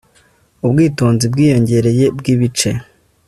Ubwitonzi bwiyongereye bwibice